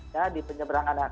ya di penyebrangan